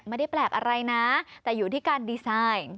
ไม่ได้แปลกอะไรนะแต่อยู่ที่การดีไซน์